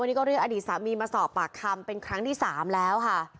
วันนี้ก็เรียกอดีตสามีมาสอบปากคำเป็นครั้งที่๓แล้วค่ะ